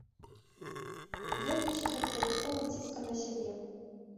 Ён лічыць гэта дадатковым ціскам на сябе.